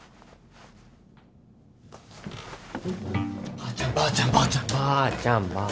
ばあちゃんばあちゃんばあちゃんばあちゃん。